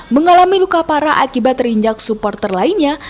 mengalami luka parah akibat terinjak supporter lainnya